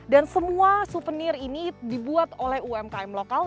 dan semua souvenir ini dibuat oleh umkm lokal